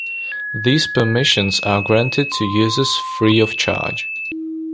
These permissions are granted to users free of charge.